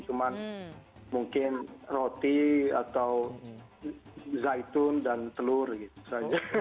cuman mungkin roti atau zaitun dan telur gitu saja